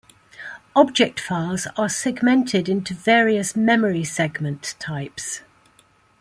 Object files are segmented into various memory segments types.